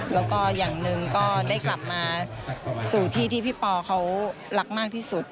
แล้วก็อย่างหนึ่งก็ได้กลับมาสู่ที่ที่พี่ปอเขารักมากที่สุด